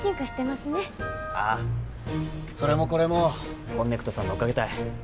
それもこれもこんねくとさんのおかげたい。